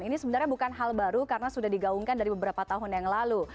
ini sebenarnya bukan hal baru karena sudah digaungkan dari beberapa tahun yang lalu